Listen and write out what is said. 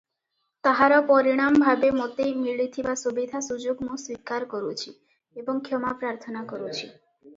ତାହାର ପରିଣାମ ଭାବେ ମୋତେ ମିଳିଥିବା ସୁବିଧା ସୁଯୋଗ ମୁଁ ସ୍ୱୀକାର କରୁଛି ଏବଂ କ୍ଷମା ପ୍ରାର୍ଥନା କରୁଛି ।